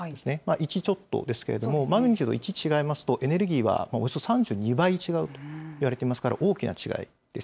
１ちょっとですけれども、マグニチュード１違いますと、エネルギーはおよそ３２倍違うといわれていますから大きな違いです。